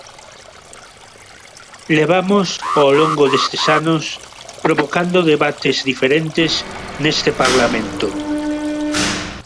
Levamos, ao longo destes anos, provocando debates diferentes neste Parlamento.